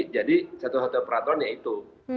jadi satu satunya peraturan yaitu